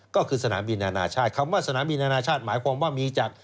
ก็คือสนามบินอนาชาติคำว่าสนามบินอนาชาติหมายความว่ามีจาก